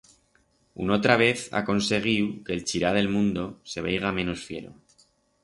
Unotra vez ha conseguiu que el chirar d'el mundo se veiga menos fiero.